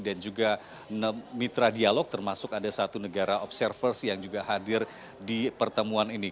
dan juga mitra dialog termasuk ada satu negara observers yang juga hadir di pertemuan ini